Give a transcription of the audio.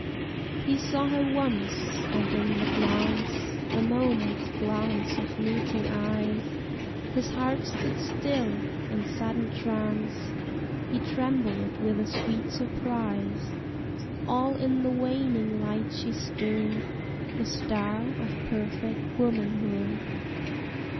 He saw her once, and in the glance, A moment's glance of meeting eyes, His heart stood still in sudden trance: He trembled with a sweet surprise All in the waning light she stood, The star of perfect womanhood.